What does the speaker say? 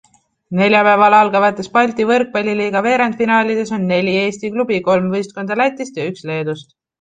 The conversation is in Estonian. Neljapäeval algavates Balti võrkpalliliiga veerandfinaalides on neli Eesti klubi, kolm võistkonda Lätist ja üks Leedust.